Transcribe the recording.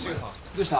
どうした？